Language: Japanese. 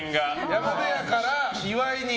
山出谷から岩井に。